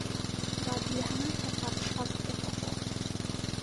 مورادی لە هەمان کاتدا پشتڕاستی دەکاتەوە